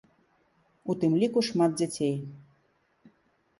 У тым ліку шмат дзяцей.